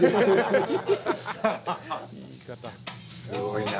すごい。